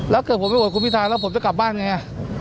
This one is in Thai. แล้วเกิดผมไปโหวตคุณพิทาแล้วผมจะกลับบ้านไง